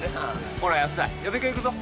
ほら安田予備校行くぞ。